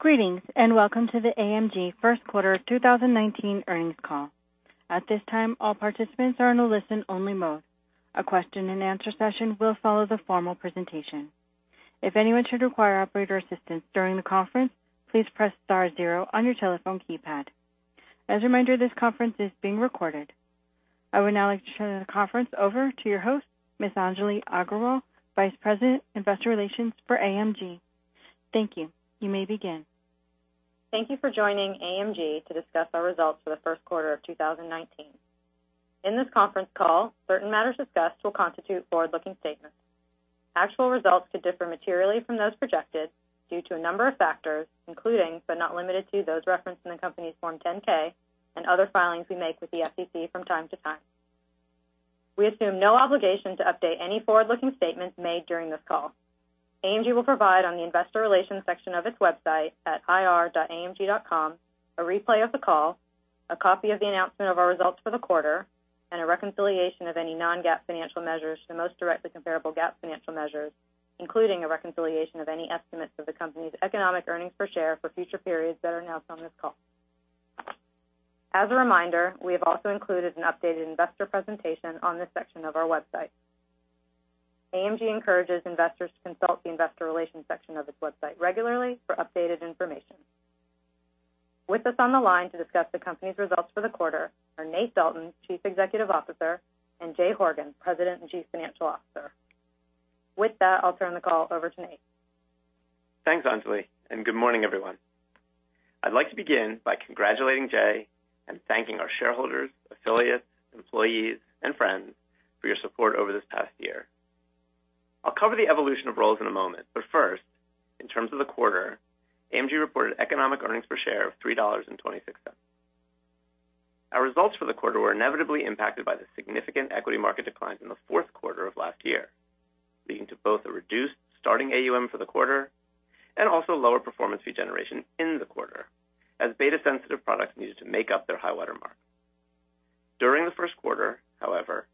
Greetings. Welcome to the AMG first quarter of 2019 earnings call. At this time, all participants are in a listen-only mode. A question-and-answer session will follow the formal presentation. If anyone should require operator assistance during the conference, please press star zero on your telephone keypad. As a reminder, this conference is being recorded. I would now like to turn the conference over to your host, Ms. Anjali Aggarwal, Vice President, Investor Relations for AMG. Thank you. You may begin. Thank you for joining AMG to discuss our results for the first quarter of 2019. In this conference call, certain matters discussed will constitute forward-looking statements. Actual results could differ materially from those projected due to a number of factors, including, but not limited to, those referenced in the company's Form 10-K and other filings we make with the SEC from time to time. We assume no obligation to update any forward-looking statements made during this call. AMG will provide on the investor relations section of its website at ir.amg.com a replay of the call, a copy of the announcement of our results for the quarter, and a reconciliation of any non-GAAP financial measures to the most directly comparable GAAP financial measures, including a reconciliation of any estimates of the company's economic earnings per share for future periods that are announced on this call. As a reminder, we have also included an updated investor presentation on this section of our website. AMG encourages investors to consult the investor relations section of its website regularly for updated information. With us on the line to discuss the company's results for the quarter are Nate Dalton, Chief Executive Officer, and Jay Horgen, President and Chief Financial Officer. With that, I'll turn the call over to Nate. Thanks, Anjali. Good morning, everyone. I'd like to begin by congratulating Jay and thanking our shareholders, affiliates, employees, and friends for your support over this past year. I'll cover the evolution of roles in a moment, but first, in terms of the quarter, AMG reported economic earnings per share of $3.26. Our results for the quarter were inevitably impacted by the significant equity market declines in the fourth quarter of last year, leading to both a reduced starting AUM for the quarter and also lower performance fee generation in the quarter as beta-sensitive products needed to make up their high-water mark. During the first quarter, however,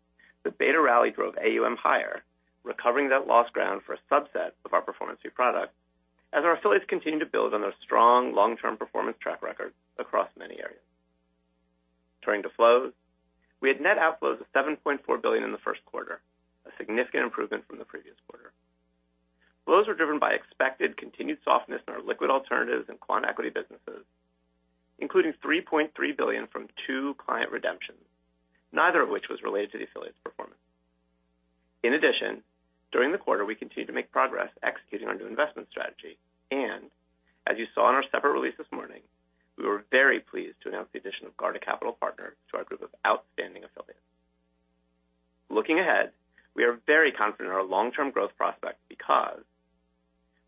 the beta rally drove AUM higher, recovering that lost ground for a subset of our performance fee product as our affiliates continued to build on their strong long-term performance track record across many areas. Turning to flows, we had net outflows of $7.4 billion in the first quarter, a significant improvement from the previous quarter. Flows were driven by expected continued softness in our liquid alternatives and quant equity businesses, including $3.3 billion from two client redemptions, neither of which was related to the affiliates performance. In addition, during the quarter, we continued to make progress executing our new investment strategy, and as you saw in our separate release this morning, we were very pleased to announce the addition of Garda Capital Partners to our group of outstanding affiliates. Looking ahead, we are very confident in our long-term growth prospects because,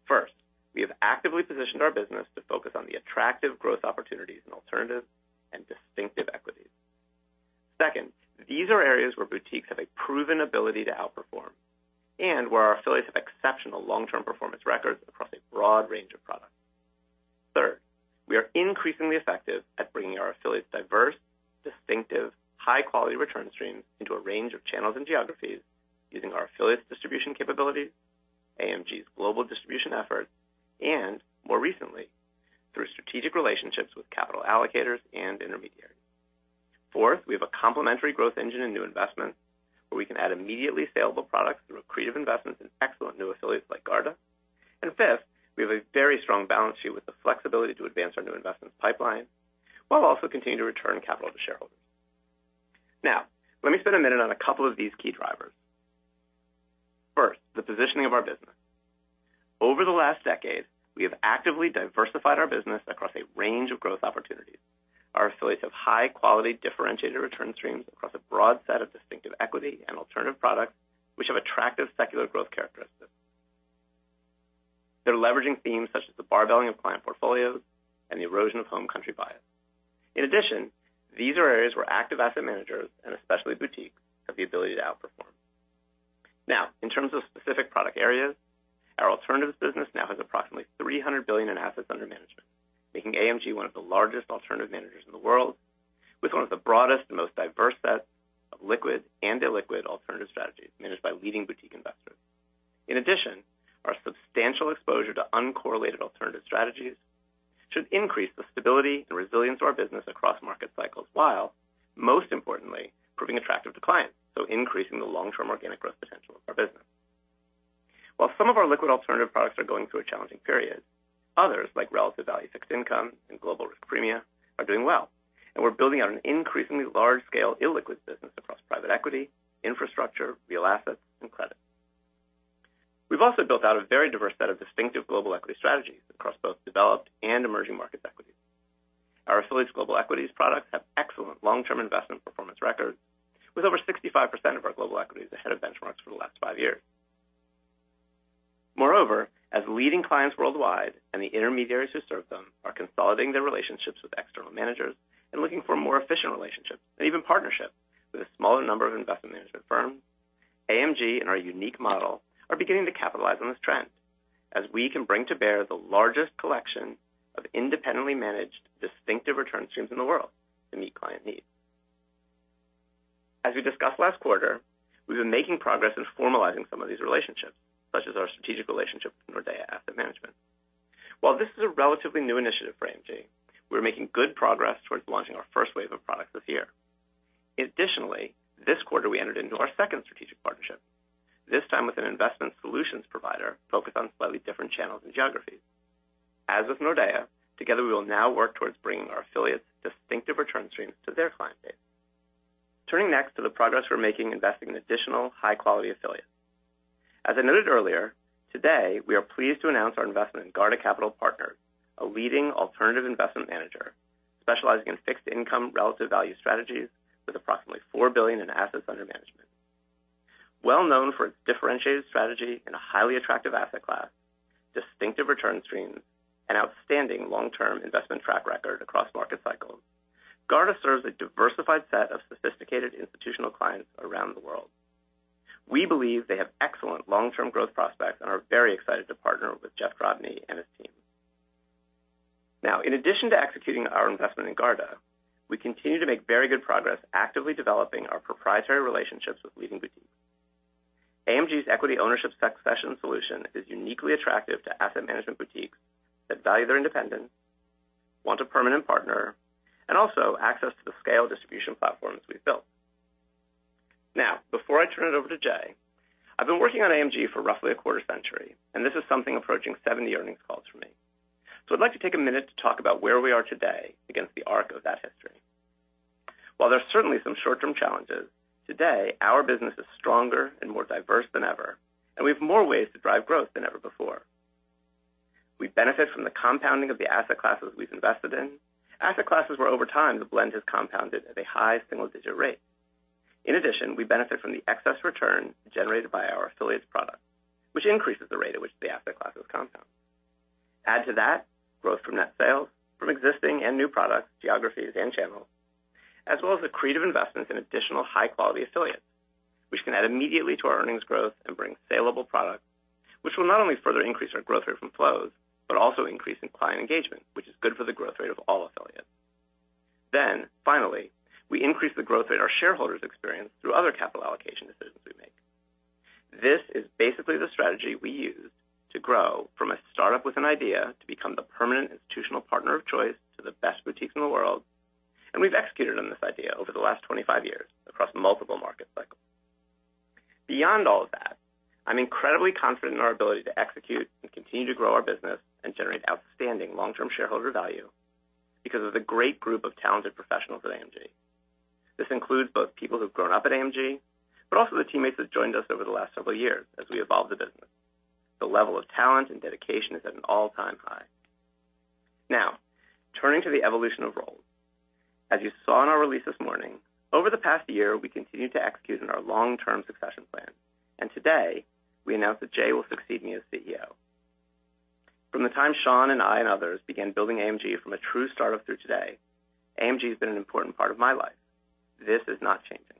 first, we have actively positioned our business to focus on the attractive growth opportunities in alternatives and distinctive equities. Second, these are areas where boutiques have a proven ability to outperform and where our affiliates have exceptional long-term performance records across a broad range of products. Third, we are increasingly effective at bringing our affiliates diverse, distinctive, high-quality return streams into a range of channels and geographies using our affiliates distribution capabilities, AMG's global distribution efforts, and more recently, through strategic relationships with capital allocators and intermediaries. Fourth, we have a complementary growth engine and new investments where we can add immediately saleable products through accretive investments in excellent new affiliates like Garda. Fifth, we have a very strong balance sheet with the flexibility to advance our new investments pipeline while also continuing to return capital to shareholders. Now, let me spend a minute on a couple of these key drivers. First, the positioning of our business. Over the last decade, we have actively diversified our business across a range of growth opportunities. Our affiliates have high-quality, differentiated return streams across a broad set of distinctive equity and alternative products, which have attractive secular growth characteristics. They're leveraging themes such as the barbelling of client portfolios and the erosion of home country bias. In addition, these are areas where active asset managers, and especially boutiques, have the ability to outperform. Now, in terms of specific product areas, our alternatives business now has approximately $300 billion in assets under management, making AMG one of the largest alternative managers in the world with one of the broadest and most diverse sets of liquid and illiquid alternative strategies managed by leading boutique investors. In addition, our substantial exposure to uncorrelated alternative strategies should increase the stability and resilience of our business across market cycles, while most importantly, proving attractive to clients, so increasing the long-term organic growth potential of our business. While some of our liquid alternative products are going through a challenging period, others, like relative value fixed income and global risk premia, are doing well, and we're building out an increasingly large-scale illiquid business across private equity, infrastructure, real assets, and credit. We've also built out a very diverse set of distinctive global equity strategies across both developed and emerging markets equities. Our affiliates global equities products have excellent long-term investment performance records, with over 65% of our global equities ahead of benchmarks for the last five years. As leading clients worldwide and the intermediaries who serve them are consolidating their relationships with external managers and looking for more efficient relationships and even partnerships with a smaller number of investment management firms, AMG and our unique model are beginning to capitalize on this trend as we can bring to bear the largest collection of independently managed distinctive return streams in the world to meet client needs. As we discussed last quarter, we've been making progress in formalizing some of these relationships, such as our strategic relationship with Nordea Asset Management. While this is a relatively new initiative for AMG, we're making good progress towards launching our first wave of products this year. Additionally, this quarter we entered into our second strategic partnership, this time with an investment solutions provider focused on slightly different channels and geographies. With Nordea, together we will now work towards bringing our affiliates distinctive return streams to their client base. Turning next to the progress we're making investing in additional high-quality affiliates. As I noted earlier, today, we are pleased to announce our investment in Garda Capital Partners, a leading alternative investment manager specializing in fixed income relative value strategies with approximately $4 billion in assets under management. Well known for its differentiated strategy in a highly attractive asset class, distinctive return streams, and outstanding long-term investment track record across market cycles, Garda serves a diversified set of sophisticated institutional clients around the world. We believe they have excellent long-term growth prospects and are very excited to partner with Jeff Drobny and his team. In addition to executing our investment in Garda, we continue to make very good progress actively developing our proprietary relationships with leading boutiques. AMG's equity ownership succession solution is uniquely attractive to asset management boutiques that value their independence, want a permanent partner, and also access to the scale distribution platforms we've built. Before I turn it over to Jay, I've been working on AMG for roughly a quarter century, and this is something approaching 70 earnings calls for me. I'd like to take a minute to talk about where we are today against the arc of that history. While there's certainly some short-term challenges, today our business is stronger and more diverse than ever, and we have more ways to drive growth than ever before. We benefit from the compounding of the asset classes we've invested in. Asset classes where over time the blend has compounded at a high single-digit rate. We benefit from the excess return generated by our affiliates' products, which increases the rate at which the asset classes compound. Add to that growth from net sales from existing and new products, geographies, and channels, as well as accretive investments in additional high-quality affiliates, which can add immediately to our earnings growth and bring saleable products, which will not only further increase our growth rate from flows but also increase in client engagement, which is good for the growth rate of all affiliates. Finally, we increase the growth rate our shareholders experience through other capital allocation decisions we make. This is basically the strategy we used to grow from a startup with an idea to become the permanent institutional partner of choice to the best boutiques in the world, and we've executed on this idea over the last 25 years across multiple market cycles. Beyond all of that, I'm incredibly confident in our ability to execute and continue to grow our business and generate outstanding long-term shareholder value because of the great group of talented professionals at AMG. This includes both people who've grown up at AMG, but also the teammates that joined us over the last several years as we evolved the business. The level of talent and dedication is at an all-time high. Turning to the evolution of roles. As you saw in our release this morning, over the past year, we continued to execute on our long-term succession plan, today we announce that Jay will succeed me as CEO. From the time Sean and I and others began building AMG from a true startup through today, AMG has been an important part of my life. This is not changing.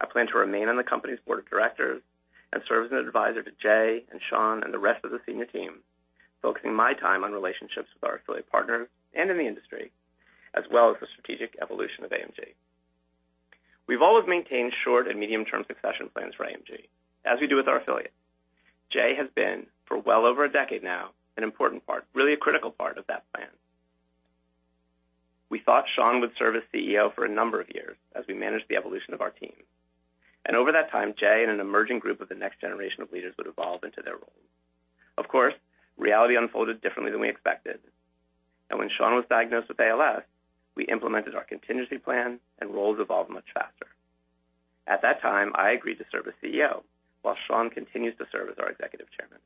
I plan to remain on the company's board of directors and serve as an advisor to Jay and Sean and the rest of the senior team, focusing my time on relationships with our affiliate partners and in the industry, as well as the strategic evolution of AMG. We've always maintained short and medium-term succession plans for AMG, as we do with our affiliates. Jay has been, for well over a decade now, an important part, really a critical part of that plan. We thought Sean would serve as CEO for a number of years as we managed the evolution of our team. Over that time, Jay and an emerging group of the next generation of leaders would evolve into their roles. Of course, reality unfolded differently than we expected. When Sean was diagnosed with ALS, we implemented our contingency plan, roles evolved much faster. At that time, I agreed to serve as CEO while Sean continues to serve as our Executive Chairman.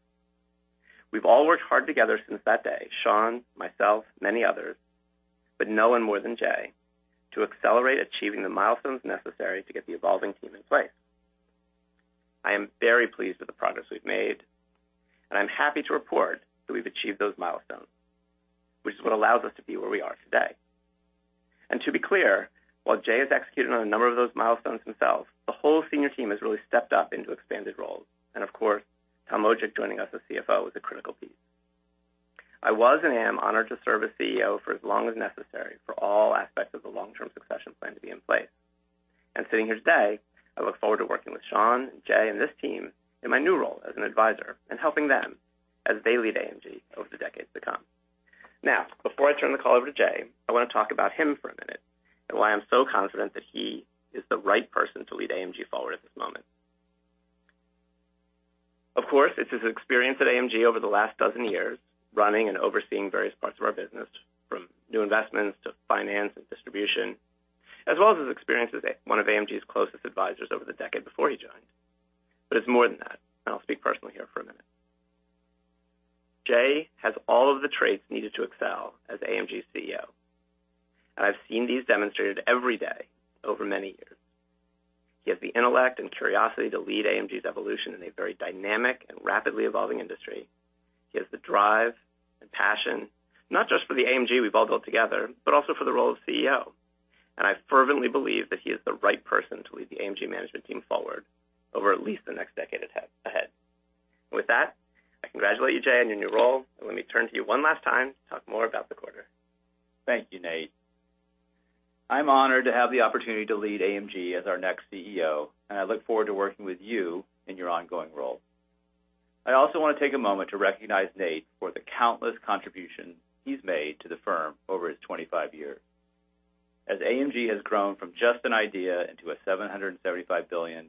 We've all worked hard together since that day, Sean, myself, many others, but no one more than Jay, to accelerate achieving the milestones necessary to get the evolving team in place. I am very pleased with the progress we've made, I'm happy to report that we've achieved those milestones, which is what allows us to be where we are today. To be clear, while Jay has executed on a number of those milestones himself, the whole senior team has really stepped up into expanded roles. Of course, Tom Wojcik joining us as CFO was a critical piece. I was and am honored to serve as CEO for as long as necessary for all aspects of the long-term succession plan to be in place. Sitting here today, I look forward to working with Sean, Jay, and this team in my new role as an advisor and helping them as they lead AMG over the decades to come. Before I turn the call over to Jay, I want to talk about him for a minute and why I'm so confident that he is the right person to lead AMG forward at this moment. Of course, it's his experience at AMG over the last dozen years, running and overseeing various parts of our business, from new investments to finance and distribution, as well as his experience as one of AMG's closest advisors over the decade before he joined. It's more than that, I'll speak personally here for a minute. Jay has all of the traits needed to excel as AMG's CEO, I've seen these demonstrated every day over many years. He has the intellect and curiosity to lead AMG's evolution in a very dynamic and rapidly evolving industry. He has the drive and passion, not just for the AMG we've all built together, but also for the role of CEO. I fervently believe that he is the right person to lead the AMG management team forward over at least the next decade ahead. With that, I congratulate you, Jay, on your new role, and let me turn to you one last time to talk more about the quarter. Thank you, Nate. I'm honored to have the opportunity to lead AMG as our next CEO, and I look forward to working with you in your ongoing role. I also want to take a moment to recognize Nate for the countless contributions he's made to the firm over his 25 years, as AMG has grown from just an idea into a $775 billion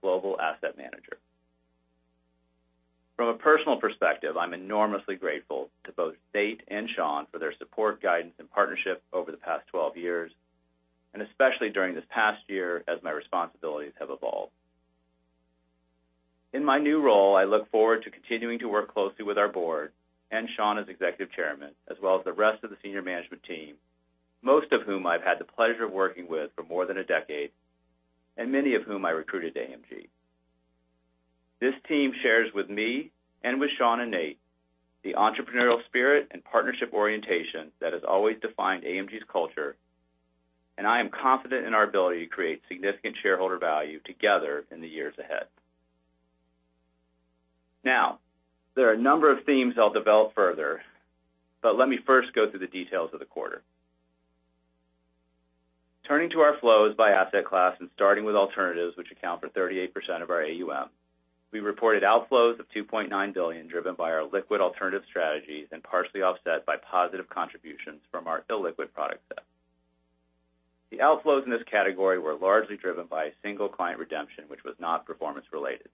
global asset manager. From a personal perspective, I'm enormously grateful to both Nate and Sean for their support, guidance, and partnership over the past 12 years, and especially during this past year as my responsibilities have evolved. In my new role, I look forward to continuing to work closely with our board and Sean as executive chairman, as well as the rest of the senior management team, most of whom I've had the pleasure of working with for more than a decade, and many of whom I recruited to AMG. This team shares with me, and with Sean and Nate, the entrepreneurial spirit and partnership orientation that has always defined AMG's culture. I am confident in our ability to create significant shareholder value together in the years ahead. There are a number of themes I'll develop further, let me first go through the details of the quarter. Turning to our flows by asset class and starting with alternatives, which account for 38% of our AUM. We reported outflows of $2.9 billion, driven by our liquid alternative strategies and partially offset by positive contributions from our illiquid product set. The outflows in this category were largely driven by a single client redemption, which was not performance related.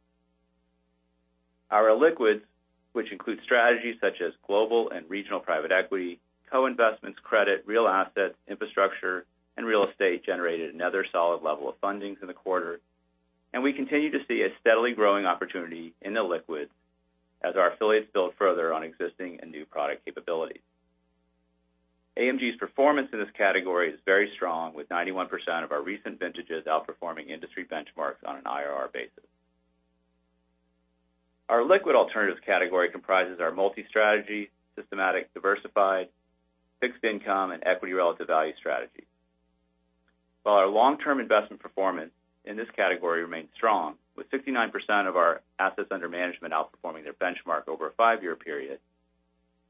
Our illiquids, which include strategies such as global and regional private equity, co-investments, credit, real assets, infrastructure, and real estate, generated another solid level of fundings in the quarter, and we continue to see a steadily growing opportunity in illiquids as our affiliates build further on existing and new product capabilities. AMG's performance in this category is very strong, with 91% of our recent vintages outperforming industry benchmarks on an IRR basis. Our liquid alternatives category comprises our multi-strategy, systematic, diversified, fixed income, and equity-relative value strategies. While our long-term investment performance in this category remains strong, with 69% of our assets under management outperforming their benchmark over a five-year period.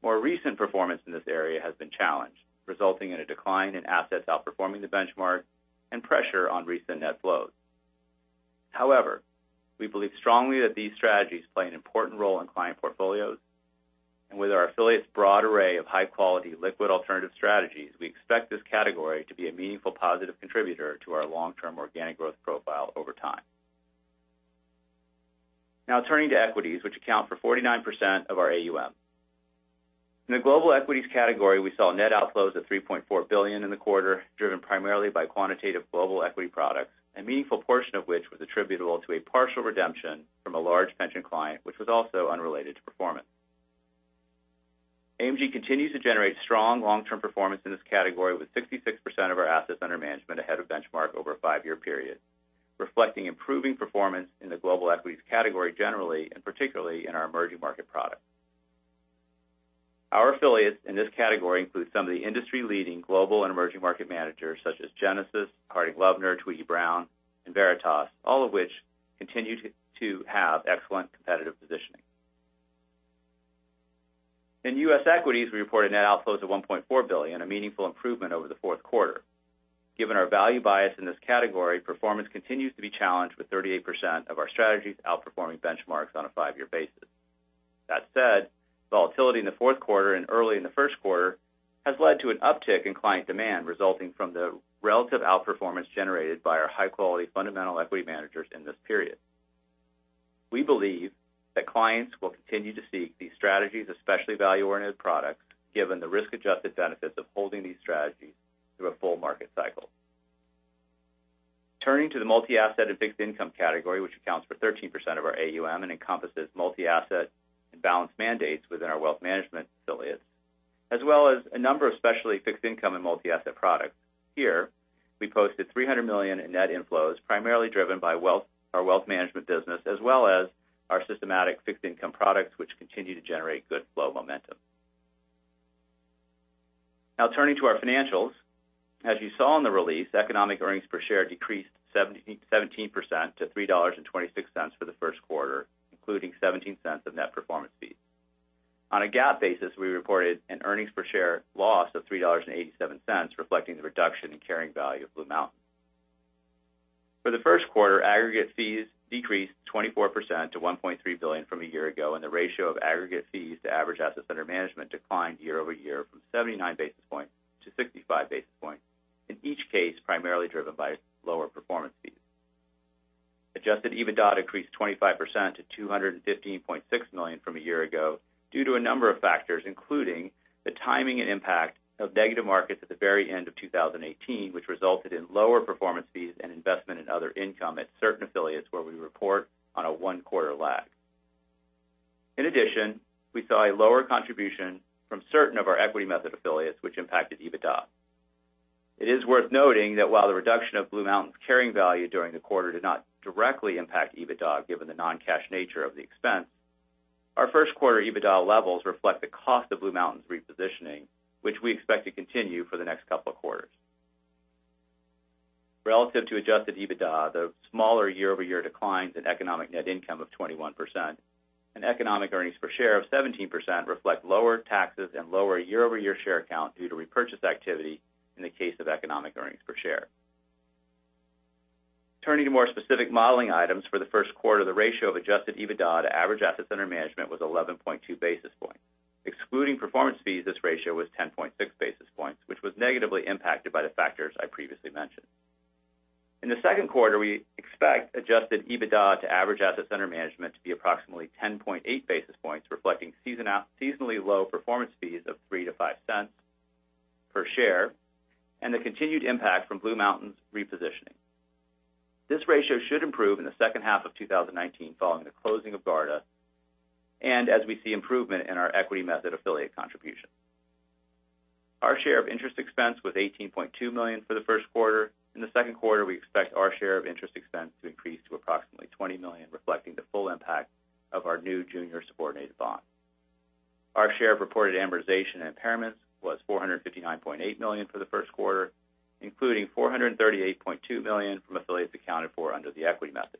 More recent performance in this area has been challenged, resulting in a decline in assets outperforming the benchmark and pressure on recent net flows. However, we believe strongly that these strategies play an important role in client portfolios, and with our affiliates broad array of high-quality liquid alternative strategies, we expect this category to be a meaningful positive contributor to our long-term organic growth profile over time. Turning to equities, which account for 49% of our AUM. In the global equities category, we saw net outflows of $3.4 billion in the quarter, driven primarily by quantitative global equity products, a meaningful portion of which was attributable to a partial redemption from a large pension client, which was also unrelated to performance. AMG continues to generate strong long-term performance in this category, with 66% of our assets under management ahead of benchmark over a five-year period, reflecting improving performance in the global equities category generally and particularly in our emerging market products. Our affiliates in this category include some of the industry-leading global and emerging market managers such as Genesis, Harding Loevner, Tweedy, Browne, and Veritas, all of which continue to have excellent competitive positioning. In U.S. equities, we reported net outflows of $1.4 billion, a meaningful improvement over the fourth quarter. Given our value bias in this category, performance continues to be challenged with 38% of our strategies outperforming benchmarks on a five-year basis. That said, volatility in the fourth quarter and early in the first quarter has led to an uptick in client demand, resulting from the relative outperformance generated by our high-quality fundamental equity managers in this period. We believe that clients will continue to seek these strategies, especially value-oriented products, given the risk-adjusted benefits of holding these strategies through a full market cycle. Turning to the multi-asset and fixed income category, which accounts for 13% of our AUM and encompasses multi-asset and balanced mandates within our wealth management affiliates, as well as a number of specialty fixed income and multi-asset products. Here, we posted $300 million in net inflows, primarily driven by our wealth management business, as well as our systematic fixed income products, which continue to generate good flow momentum. Turning to our financials. As you saw in the release, economic earnings per share decreased 17% to $3.26 for the first quarter, including $0.17 of net performance fees. On a GAAP basis, we reported an earnings per share loss of $3.87, reflecting the reduction in carrying value of BlueMountain. For the first quarter, aggregate fees decreased 24% to $1.3 billion from a year ago, and the ratio of aggregate fees to average assets under management declined year-over-year from 79 basis points to 65 basis points. In each case, primarily driven by lower performance fees. Adjusted EBITDA increased 25% to $215.6 million from a year ago due to a number of factors, including the timing and impact of negative markets at the very end of 2018, which resulted in lower performance fees and investment in other income at certain affiliates where we report on a one-quarter lag. In addition, we saw a lower contribution from certain of our equity method affiliates, which impacted EBITDA. It is worth noting that while the reduction of BlueMountain's carrying value during the quarter did not directly impact EBITDA, given the non-cash nature of the expense, our first quarter EBITDA levels reflect the cost of BlueMountain's repositioning, which we expect to continue for the next couple of quarters. Relative to adjusted EBITDA, the smaller year-over-year declines in economic net income of 21% and economic earnings per share of 17% reflect lower taxes and lower year-over-year share count due to repurchase activity in the case of economic earnings per share. Turning to more specific modeling items for the first quarter, the ratio of adjusted EBITDA to average assets under management was 11.2 basis points. Excluding performance fees, this ratio was 10.6 basis points, which was negatively impacted by the factors I previously mentioned. In the second quarter, we expect adjusted EBITDA to average assets under management to be approximately 10.8 basis points, reflecting seasonally low performance fees of $0.03-$0.05 per share, and the continued impact from BlueMountain's repositioning. This ratio should improve in the second half of 2019 following the closing of Garda, and as we see improvement in our equity method affiliate contribution. Our share of interest expense was $18.2 million for the first quarter. In the second quarter, we expect our share of interest expense to increase to approximately $20 million, reflecting the full impact of our new junior subordinated bond. Our share of reported amortization impairments was $459.8 million for the first quarter, including $438.2 million from affiliates accounted for under the equity method.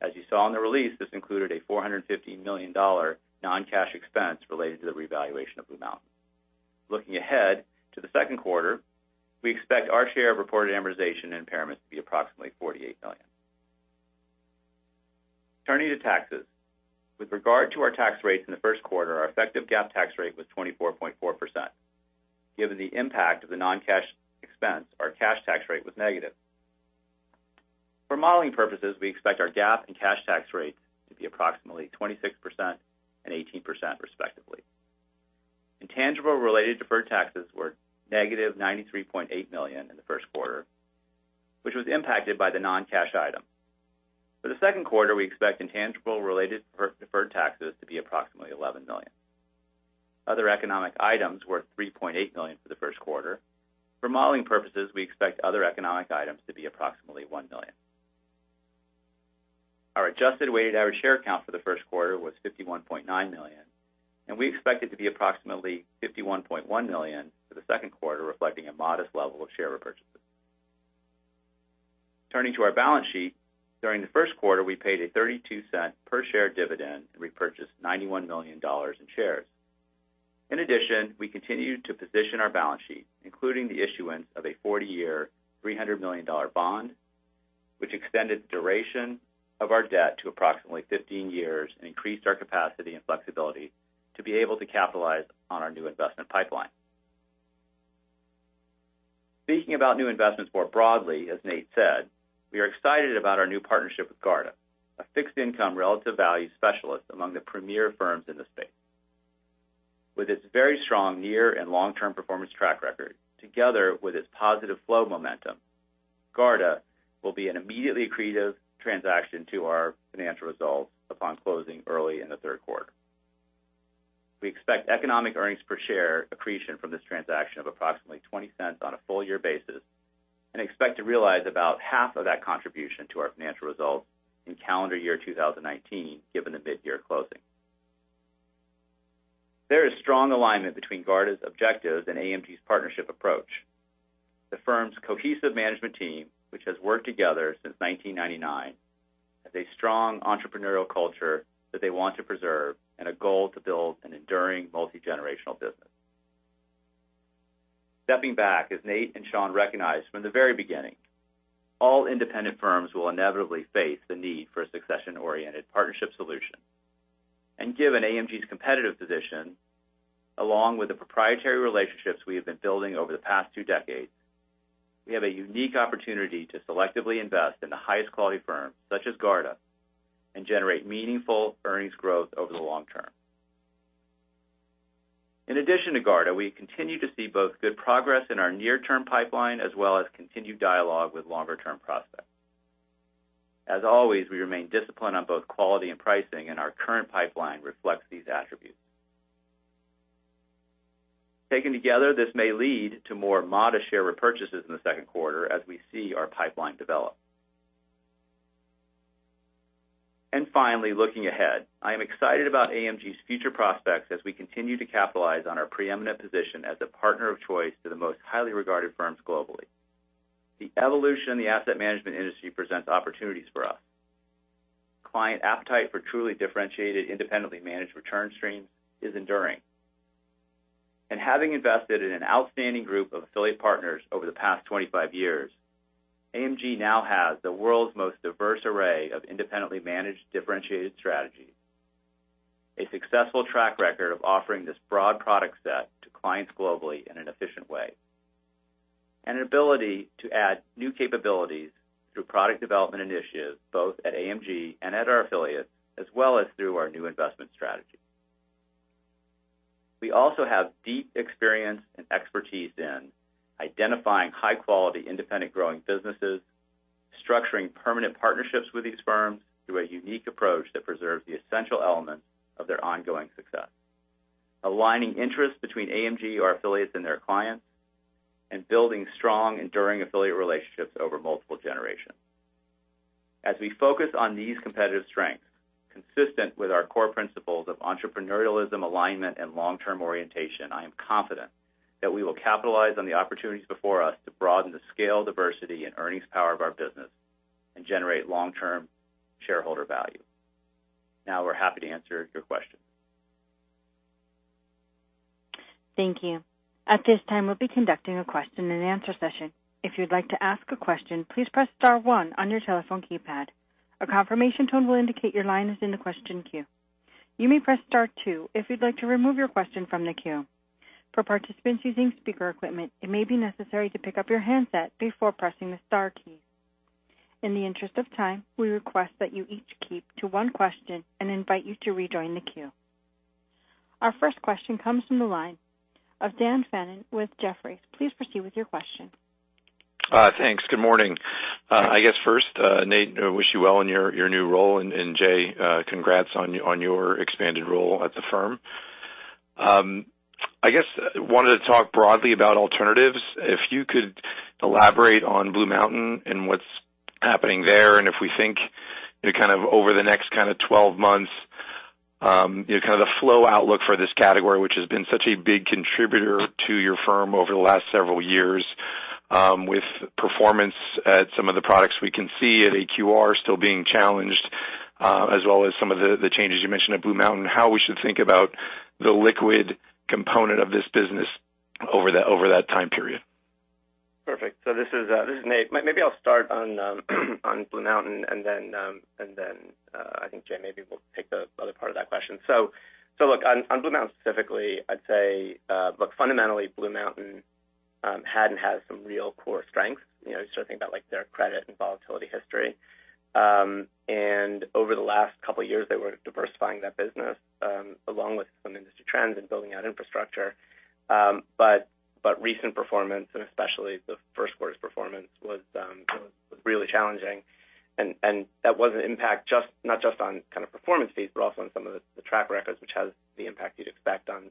As you saw in the release, this included a $450 million non-cash expense related to the revaluation of BlueMountain. Looking ahead to the second quarter, we expect our share of reported amortization and impairments to be approximately $48 million. Turning to taxes. With regard to our tax rates in the first quarter, our effective GAAP tax rate was 24.4%. Given the impact of the non-cash expense, our cash tax rate was negative. For modeling purposes, we expect our GAAP and cash tax rates to be approximately 26% and 18%, respectively. Intangible-related deferred taxes were -$93.8 million in the first quarter, which was impacted by the non-cash item. For the second quarter, we expect intangible-related deferred taxes to be approximately $11 million. Other economic items were $3.8 million for the first quarter. For modeling purposes, we expect other economic items to be approximately $1 million. Our adjusted weighted average share count for the first quarter was 51.9 million, and we expect it to be approximately 51.1 million for the second quarter, reflecting a modest level of share repurchases. Turning to our balance sheet. During the first quarter, we paid a $0.32 per share dividend and repurchased $91 million in shares. In addition, we continued to position our balance sheet, including the issuance of a 40-year, $300 million bond, which extended the duration of our debt to approximately 15 years and increased our capacity and flexibility to be able to capitalize on our new investment pipeline. Speaking about new investments more broadly, as Nate said, we are excited about our new partnership with Garda, a fixed income relative value specialist among the premier firms in the space. With its very strong near and long-term performance track record, together with its positive flow momentum, Garda will be an immediately accretive transaction to our financial results upon closing early in the third quarter. We expect economic earnings per share accretion from this transaction of approximately $0.20 on a full year basis, and expect to realize about half of that contribution to our financial results in calendar year 2019, given the mid-year closing. There is strong alignment between Garda's objectives and AMG's partnership approach. The firm's cohesive management team, which has worked together since 1999, has a strong entrepreneurial culture that they want to preserve and a goal to build an enduring multi-generational business. Stepping back, as Nate and Sean recognized from the very beginning, all independent firms will inevitably face the need for a succession-oriented partnership solution. Given AMG's competitive position, along with the proprietary relationships we have been building over the past two decades, we have a unique opportunity to selectively invest in the highest quality firms such as Garda and generate meaningful earnings growth over the long term. In addition to Garda, we continue to see both good progress in our near-term pipeline, as well as continued dialogue with longer-term prospects. As always, we remain disciplined on both quality and pricing, and our current pipeline reflects these attributes. Taken together, this may lead to more modest share repurchases in the second quarter as we see our pipeline develop. Finally, looking ahead, I am excited about AMG's future prospects as we continue to capitalize on our preeminent position as a partner of choice to the most highly regarded firms globally. The evolution in the asset management industry presents opportunities for us. Client appetite for truly differentiated, independently managed return streams is enduring. Having invested in an outstanding group of affiliate partners over the past 25 years, AMG now has the world's most diverse array of independently managed, differentiated strategies, a successful track record of offering this broad product set to clients globally in an efficient way, and an ability to add new capabilities through product development initiatives, both at AMG and at our affiliates, as well as through our new investment strategies. We also have deep experience and expertise in identifying high-quality, independent growing businesses, structuring permanent partnerships with these firms through a unique approach that preserves the essential elements of their ongoing success, aligning interests between AMG or affiliates and their clients, and building strong, enduring affiliate relationships over multiple generations. As we focus on these competitive strengths, consistent with our core principles of entrepreneurialism, alignment, and long-term orientation, I am confident that we will capitalize on the opportunities before us to broaden the scale, diversity, and earnings power of our business and generate long-term shareholder value. Now we're happy to answer your questions. Thank you. At this time, we'll be conducting a question and answer session. If you'd like to ask a question, please press star one on your telephone keypad. A confirmation tone will indicate your line is in the question queue. You may press star two if you'd like to remove your question from the queue. For participants using speaker equipment, it may be necessary to pick up your handset before pressing the star key. In the interest of time, we request that you each keep to one question and invite you to rejoin the queue. Our first question comes from the line of Daniel Fannon with Jefferies. Please proceed with your question. Thanks. Good morning. I guess first, Nate, wish you well in your new role, and Jay, congrats on your expanded role at the firm. I guess I wanted to talk broadly about alternatives. If you could elaborate on BlueMountain and what's happening there, and if we think over the next 12 months, the flow outlook for this category, which has been such a big contributor to your firm over the last several years, with performance at some of the products we can see at AQR still being challenged, as well as some of the changes you mentioned at BlueMountain. How we should think about the liquid component of this business over that time period. Perfect. This is Nate. Maybe I'll start on BlueMountain, and then I think Jay maybe will take the other part of that question. Look, on BlueMountain specifically, I'd say, look, fundamentally, BlueMountain had and has some real core strengths. You start to think about their credit and volatility history. Over the last couple of years, they were diversifying that business, along with some industry trends and building out infrastructure. Recent performance, and especially the first quarter's performance, was really challenging. That was an impact not just on performance fees, but also on some of the track records, which has the impact you'd expect on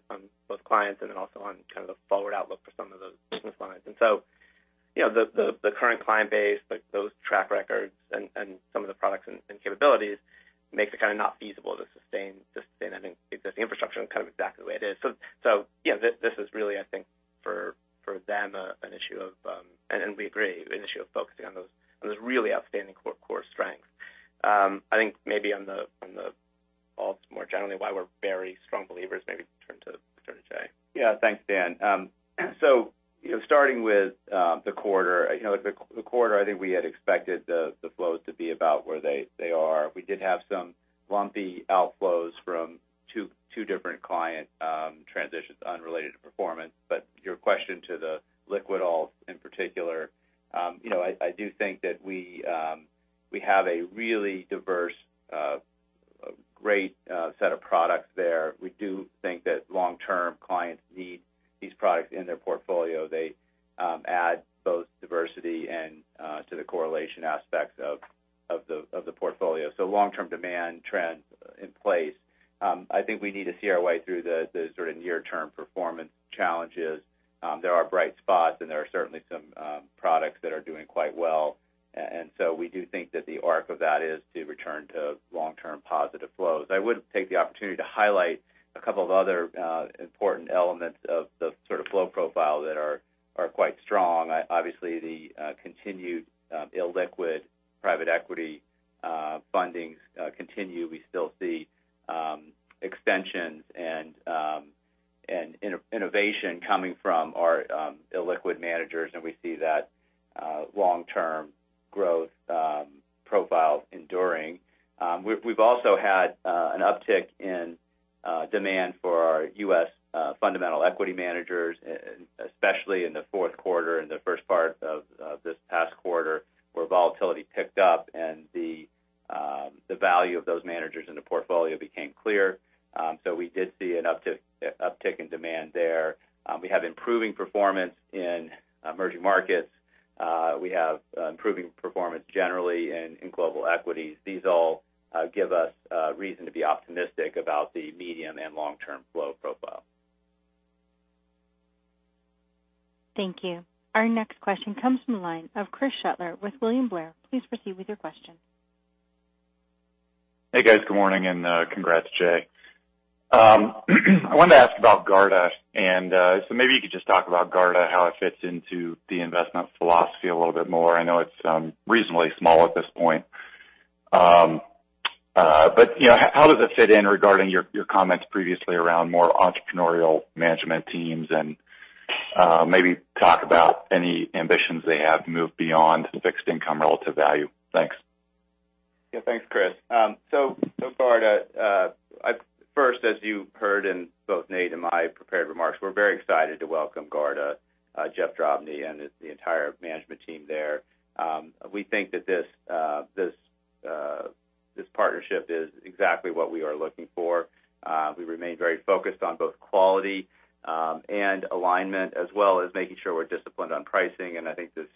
both clients and also on the forward outlook for some of those business lines. The current client base, those track records, and some of the products and capabilities makes it not feasible to sustain, I think, the existing infrastructure in exactly the way it is. Yeah, this is really, I think, for them, an issue of, and we agree, focusing on those really outstanding core strengths. I think maybe on the alts more generally, why we're very strong believers, maybe turn to Jay. Thanks, Dan. Starting with the quarter. The quarter, I think we had expected the flows to be about where they are. We did have some lumpy outflows from two different client transitions unrelated to performance. Your question to the liquid alts in particular. I do think that we have a really diverse great set of products there. We do think that long-term clients need these products in their portfolio. They add both diversity and to the correlation aspects of the portfolio. Long-term demand trends in place. I think we need to see our way through the near-term performance challenges. There are bright spots, and there are certainly some products that are doing quite well. We do think that the arc of that is to return to long-term positive flows. I would take the opportunity to highlight a couple of other important elements of the flow profile that are quite strong. Obviously, the continued illiquid private equity fundings continue. We still see extensions and innovation coming from our illiquid managers, and we see that long-term growth profile enduring. We've also had an uptick in demand for our U.S. fundamental equity managers, especially in the fourth quarter and the first part of this past quarter where volatility picked up, and the value of those managers in the portfolio became clear. We did see an uptick in demand there. We have improving performance in emerging markets. We have improving performance generally in global equities. These all give us reason to be optimistic about the medium and long-term flow profile. Thank you. Our next question comes from the line of Chris Shutler with William Blair. Please proceed with your question. Hey, guys. Good morning, and congrats, Jay. I wanted to ask about Garda. Maybe you could just talk about Garda, how it fits into the investment philosophy a little bit more. I know it's reasonably small at this point. How does it fit in regarding your comments previously around more entrepreneurial management teams, and maybe talk about any ambitions they have to move beyond fixed income relative value. Thanks. Thanks, Chris. Garda. First, as you heard in both Nate and my prepared remarks, we are very excited to welcome Garda, Jeff Drobny, and the entire management team there. We think that this partnership is exactly what we are looking for. We remain very focused on both quality and alignment, as well as making sure we are disciplined on pricing. I think this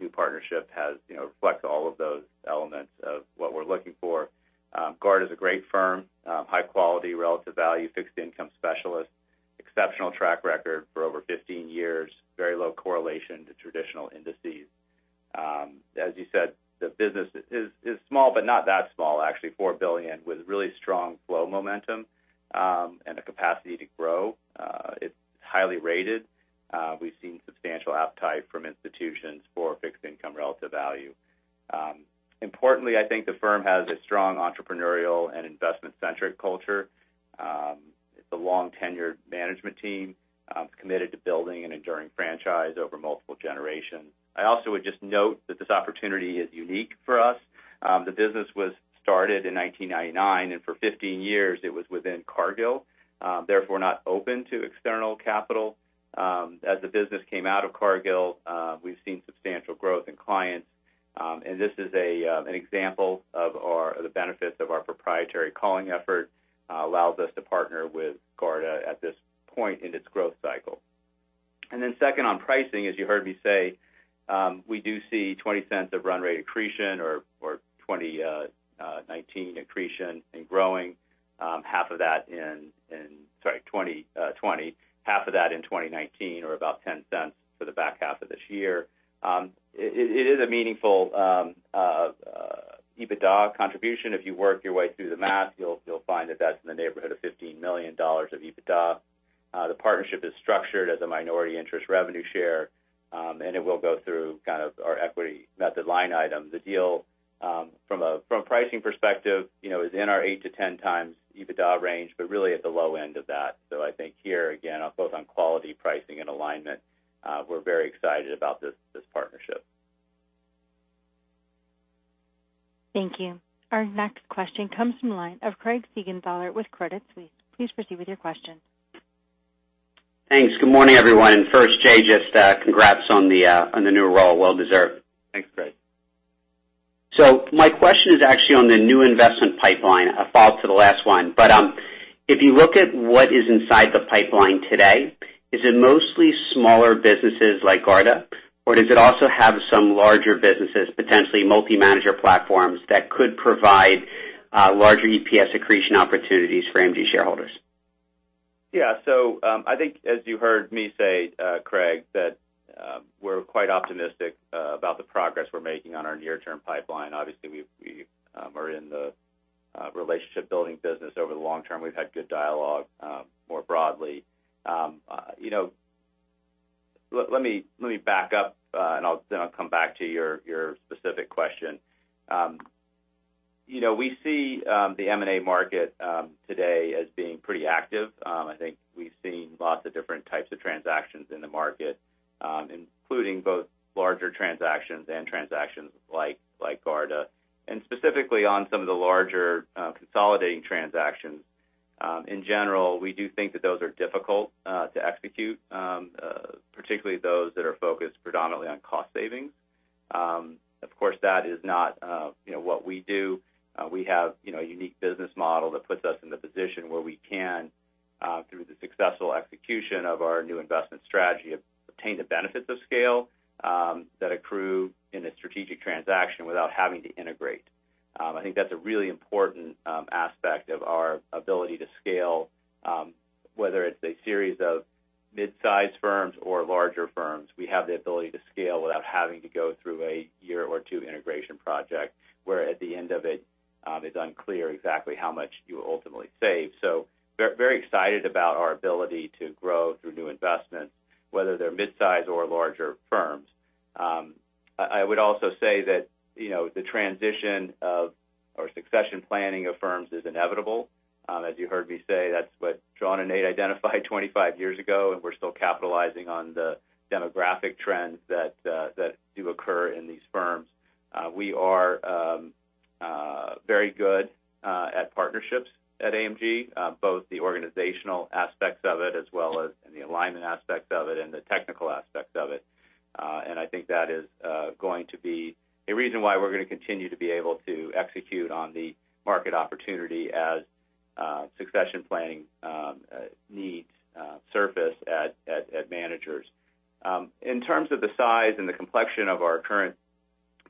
new partnership reflects all of those elements of what we are looking for. Garda is a great firm. High quality, relative value, fixed income specialist. Exceptional track record for over 15 years. Very low correlation to traditional indices. As you said, the business is small, but not that small, actually, $4 billion with really strong flow momentum and a capacity to grow. It is highly rated. We have seen substantial appetite from institutions for fixed income relative value. Importantly, I think the firm has a strong entrepreneurial and investment-centric culture. It is a long-tenured management team committed to building an enduring franchise over multiple generations. I also would just note that this opportunity is unique for us. The business was started in 1999, and for 15 years it was within Cargill, therefore not open to external capital. As the business came out of Cargill, we have seen substantial growth in clients. This is an example of the benefits of our proprietary culling effort, allows us to partner with Garda at this point in its growth cycle. Then second on pricing, as you heard me say, we do see $0.20 of run rate accretion or $0.20 19 accretion and growing. Sorry, $0.20. Half of that in 2019 or about $0.10 for the back half of this year. It is a meaningful EBITDA contribution. If you work your way through the math, you will find that is in the neighborhood of $15 million of EBITDA. The partnership is structured as a minority interest revenue share, it will go through our equity method line item. The deal from a pricing perspective is in our 8-10 times EBITDA range, but really at the low end of that. I think here, again, both on quality pricing and alignment, we are very excited about this partnership. Thank you. Our next question comes from the line of Craig Siegenthaler with Credit Suisse. Please proceed with your question. Thanks. Good morning, everyone. First, Jay, just congrats on the new role. Well deserved. Thanks, Craig. My question is actually on the new investment pipeline, a follow-up to the last one. If you look at what is inside the pipeline today, is it mostly smaller businesses like Garda, or does it also have some larger businesses, potentially multi-manager platforms that could provide larger EPS accretion opportunities for AMG shareholders? Yeah. I think as you heard me say, Craig, that we're quite optimistic about the progress we're making on our near-term pipeline. Obviously, we are in the relationship-building business over the long term. We've had good dialogue more broadly. Let me back up, and then I'll come back to your specific question. We see the M&A market today as being pretty active. I think we've seen lots of different types of transactions in the market, including both larger transactions and transactions like Garda, and specifically on some of the larger consolidating transactions. In general, we do think that those are difficult to execute, particularly those that are focused predominantly on cost savings. Of course, that is not what we do. We have a unique business model that puts us in the position where we can through the successful execution of our new investment strategy, obtain the benefits of scale that accrue in a strategic transaction without having to integrate. I think that's a really important aspect of our ability to scale, whether it's a series of mid-size firms or larger firms. We have the ability to scale without having to go through a year or two integration project, where at the end of it's unclear exactly how much you ultimately save. Very excited about our ability to grow through new investments, whether they're mid-size or larger firms. I would also say that the transition of, or succession planning of firms is inevitable. As you heard me say, that's what Sean and Nate identified 25 years ago, and we're still capitalizing on the demographic trends that do occur in these firms. We are very good at partnerships at AMG, both the organizational aspects of it as well as the alignment aspects of it and the technical aspects of it. I think that is going to be a reason why we're going to continue to be able to execute on the market opportunity as succession planning needs surface at managers. In terms of the size and the complexion of our current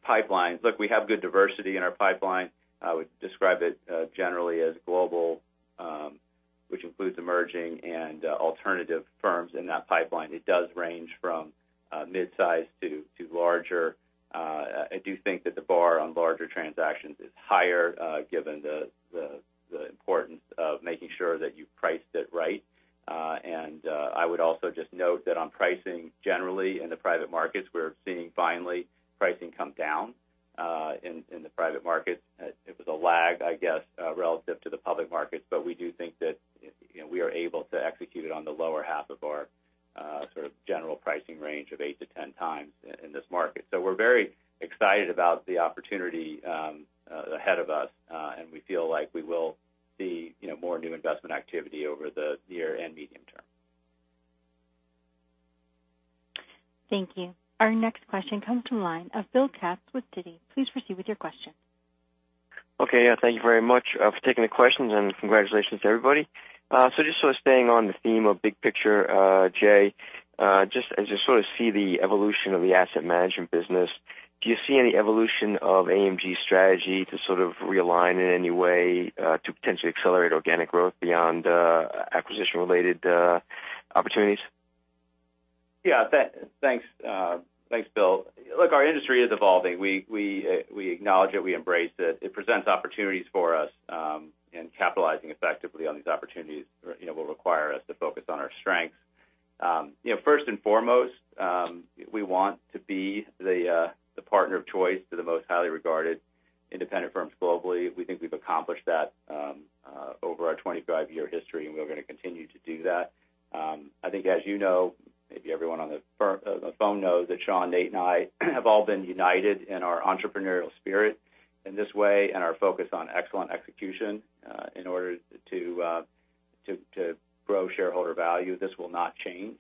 pipelines, look, we have good diversity in our pipeline. I would describe it generally as global, which includes emerging and alternative firms in that pipeline. It does range from mid-size to larger. I do think that the bar on larger transactions is higher given the importance of making sure that you've priced it right. I would also just note that on pricing generally in the private markets, we're seeing finally pricing come down in the private markets. It was a lag, I guess, relative to the public markets, but we do think that we are able to execute on the lower half of our sort of general pricing range of eight to 10 times in this market. We're very excited about the opportunity ahead of us, and we feel like we will see more new investment activity over the year and medium term. Thank you. Our next question comes from the line of William Katz with Citi. Please proceed with your question. Okay. Yeah, thank you very much for taking the questions, and congratulations to everybody. Just sort of staying on the theme of big picture, Jay, just as you sort of see the evolution of the asset management business Do you see any evolution of AMG's strategy to realign in any way to potentially accelerate organic growth beyond acquisition-related opportunities? Yeah. Thanks, Bill. Look, our industry is evolving. We acknowledge it. We embrace it. It presents opportunities for us. Capitalizing effectively on these opportunities will require us to focus on our strengths. First and foremost, we want to be the partner of choice to the most highly regarded independent firms globally. We think we've accomplished that over our 25-year history, and we're going to continue to do that. I think, as you know, maybe everyone on the phone knows that Sean, Nate, and I have all been united in our entrepreneurial spirit in this way and our focus on excellent execution in order to grow shareholder value. This will not change.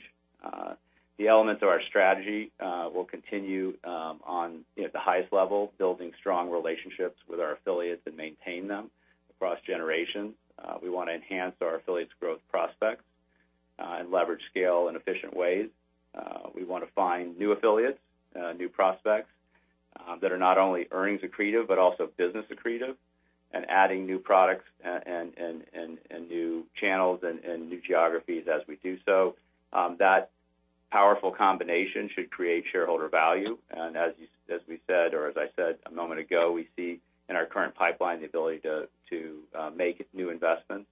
The elements of our strategy will continue on at the highest level, building strong relationships with our affiliates and maintain them across generations. We want to enhance our affiliates' growth prospects and leverage scale in efficient ways. We want to find new affiliates, new prospects that are not only earnings accretive but also business accretive, adding new products and new channels and new geographies as we do so. That powerful combination should create shareholder value. As we said, or as I said a moment ago, we see in our current pipeline the ability to make new investments.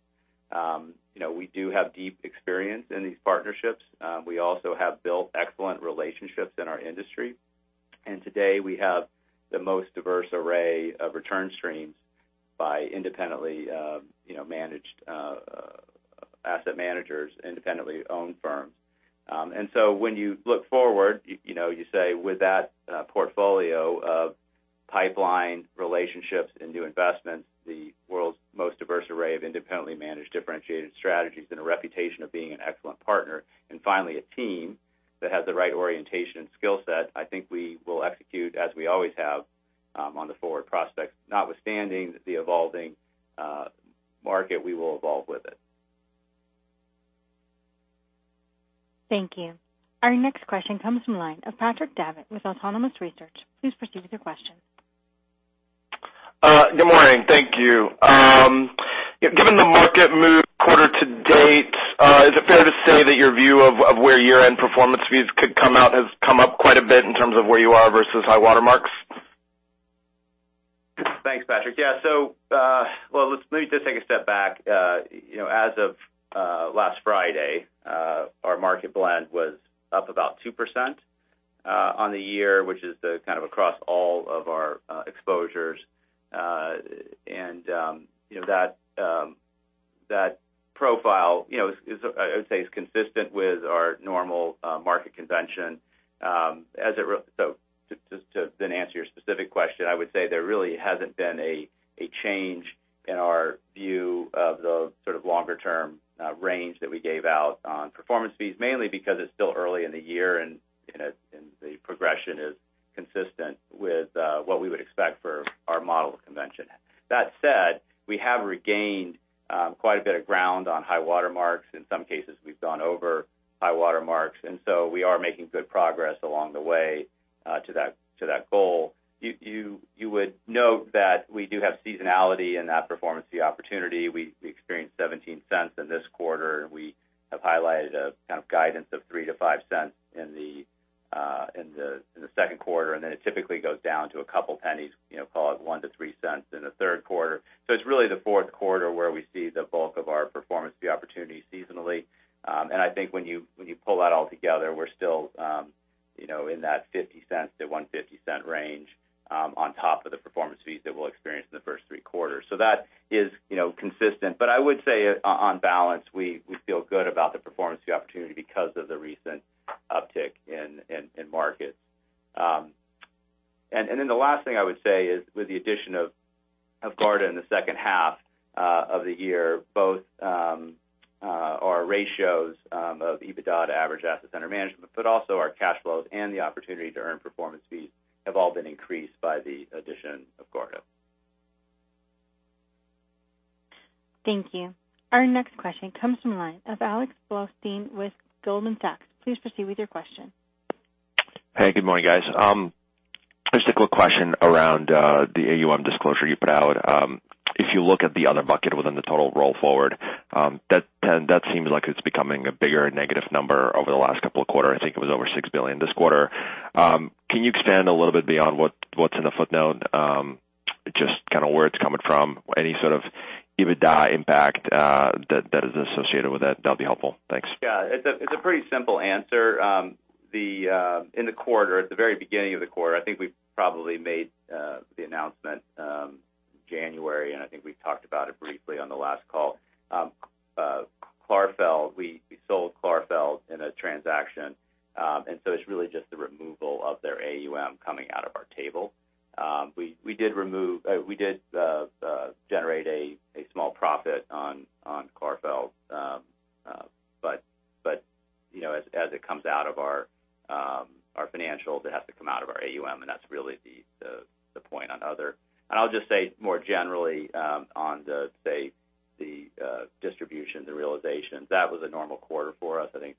We do have deep experience in these partnerships. We also have built excellent relationships in our industry. Today we have the most diverse array of return streams by independently managed asset managers, independently owned firms. When you look forward, you say with that portfolio of pipeline relationships and new investments, the world's most diverse array of independently managed differentiated strategies and a reputation of being an excellent partner, and finally, a team that has the right orientation and skill set. I think we will execute as we always have on the forward prospects. Notwithstanding the evolving market, we will evolve with it. Thank you. Our next question comes from the line of Patrick Davitt with Autonomous Research. Please proceed with your question. Good morning. Thank you. Given the market move quarter to date, is it fair to say that your view of where year-end performance fees could come out has come up quite a bit in terms of where you are versus high water marks? Thanks, Patrick. Yeah. Well, let me just take a step back. As of last Friday, our market blend was up about 2% on the year, which is kind of across all of our exposures. That profile is, I would say, is consistent with our normal market convention. To answer your specific question, I would say there really hasn't been a change in our view of the sort of longer-term range that we gave out on performance fees, mainly because it's still early in the year. The progression is consistent with what we would expect for our model convention. That said, we have regained quite a bit of ground on high water marks. In some cases, we've gone over high water marks, so we are making good progress along the way to that goal. You would note that we do have seasonality in that performance fee opportunity. We experienced $0.17 in this quarter. We have highlighted a kind of guidance of $0.03-$0.05 in the second quarter, then it typically goes down to $0.02, call it $0.01-$0.03 in the third quarter. It's really the fourth quarter where we see the bulk of our performance fee opportunity seasonally. I think when you pull that all together, we're still in that $0.50-$1.50 range on top of the performance fees that we'll experience in the first three quarters. That is consistent. I would say on balance, we feel good about the performance fee opportunity because of the recent uptick in markets. The last thing I would say is with the addition of Garda in the second half of the year, both our ratios of EBITDA to average asset under management, but also our cash flows and the opportunity to earn performance fees have all been increased by the addition of Garda. Thank you. Our next question comes from the line of Alexander Blostein with Goldman Sachs. Please proceed with your question. Hey, good morning, guys. Just a quick question around the AUM disclosure you put out. If you look at the other bucket within the total roll forward, that seems like it's becoming a bigger negative number over the last couple of quarters. I think it was over $6 billion this quarter. Can you expand a little bit beyond what's in the footnote? Just kind of where it's coming from, any sort of EBITDA impact that is associated with that? That'd be helpful. Thanks. Thanks very much. In the quarter, at the very beginning of the quarter, I think we probably made the announcement January, and I think we talked about it briefly on the last call. We sold Clarfeld in a transaction, so it's really just the removal of their AUM coming out of our table. We did generate a small profit on Clarfeld. But as it comes out of our financials, it has to come out of our AUM, and that's really the point on other. I'll just say more generally on the, say, the distribution, the realization, that was a normal quarter for us. I think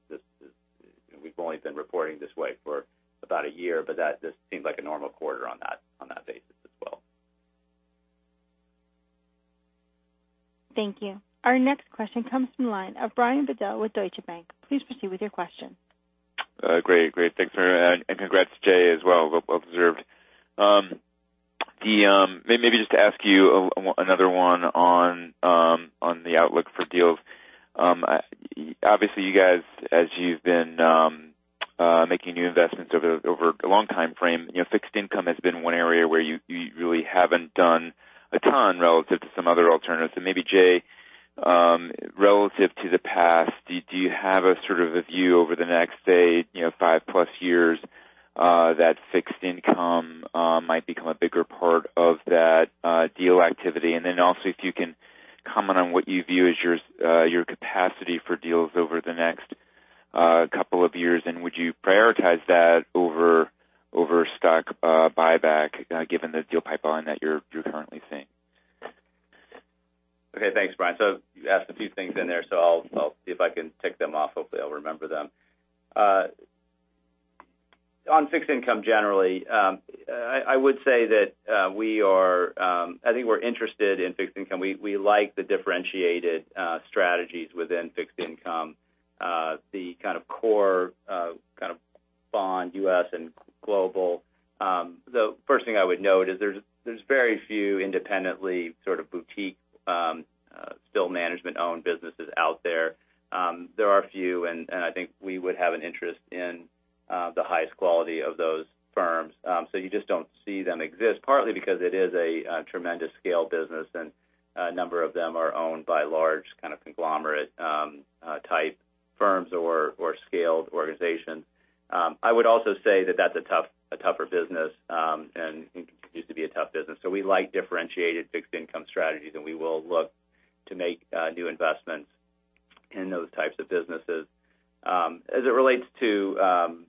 we've only been reporting this way for about a year, but that just seems like a normal quarter on that basis as well. Thank you. Our next question comes from the line of Brian Bedell with Deutsche Bank. Please proceed with your question. Thanks very much, and congrats, Jay, as well. Well observed. Just to ask you another one on the outlook for deals. Obviously, you guys, as you've been making new investments over a long timeframe, fixed income has been one area where you really haven't done a ton relative to some other alternatives. Maybe, Jay, relative to the past, do you have a view over the next, say, 5+ years that fixed income might become a bigger part of that deal activity? Also if you can comment on what you view as your capacity for deals over the next couple of years, and would you prioritize that over stock buyback given the deal pipeline that you're currently seeing? Thanks, Brian. You asked a few things in there, so I'll see if I can tick them off. Hopefully, I'll remember them. On fixed income, generally, I would say that I think we're interested in fixed income. We like the differentiated strategies within fixed income, the kind of core bond, U.S. and global. The first thing I would note is there's very few independently sort of boutique still management-owned businesses out there. There are a few, and I think we would have an interest in the highest quality of those firms. You just don't see them exist, partly because it is a tremendous scale business, and a number of them are owned by large kind of conglomerate-type firms or scaled organizations. I would also say that that's a tougher business and continues to be a tough business. We like differentiated fixed income strategies. We will look to make new investments in those types of businesses. As it relates to,